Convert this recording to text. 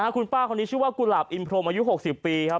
คุณป้าคนนี้ชื่อว่ากุหลาบอินพรมอายุ๖๐ปีครับ